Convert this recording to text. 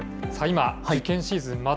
今、受験シーズン